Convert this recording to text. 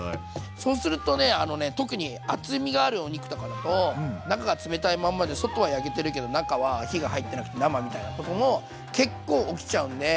そうするとねあのね特に厚みがあるお肉とかだと中が冷たいまんまで外は焼けてるけど中は火が入ってなくて生みたいなことも結構起きちゃうんで。